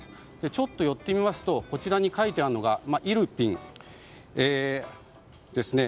ちょっと寄ってみますとこちらに書いてあるのがイルピンですね。